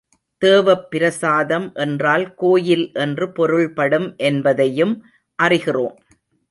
தேவப் பிரசாதம் என்றால் கோயில் என்று பொருள்படும் என்பதையும் அறிகிறோம்.